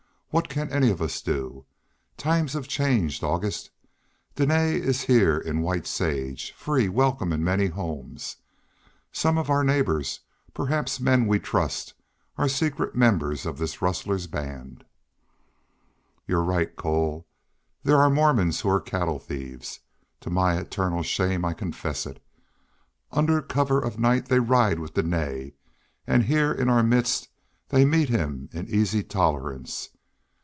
What can any of us do? Times have changed, August. Dene is here in White Sage, free, welcome in many homes. Some of our neighbors, perhaps men we trust, are secret members of this rustler's band." "You're right, Cole. There are Mormons who are cattle thieves. To my eternal shame I confess it. Under cover of night they ride with Dene, and here in our midst they meet him in easy tolerance.